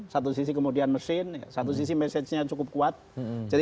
satu sisi kemudian mesin satu sisi message nya cukup kuat